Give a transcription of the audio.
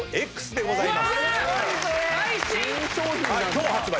今日発売！